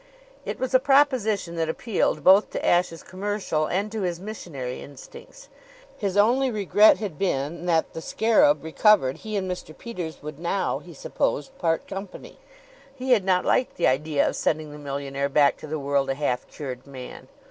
It was a proposition that appealed both to Ashe's commercial and to his missionary instincts. His only regret had been that, the scarab recovered, he and Mr. Peters would now, he supposed, part company. He had not liked the idea of sending the millionaire back to the world a half cured man.